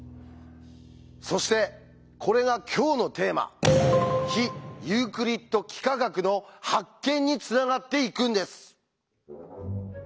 そしてこれが今日のテーマ「非ユークリッド幾何学」の発見につながっていくんです。